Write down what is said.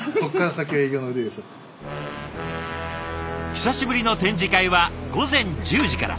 久しぶりの展示会は午前１０時から。